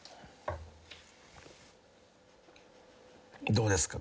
どうですか？